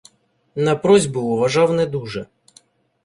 На просьби уважав не дуже: